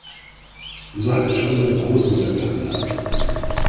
So hat es schon meine Großmutter gehandhabt.